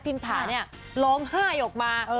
พิ้งสารเนี่ยร้องห้ายออกมา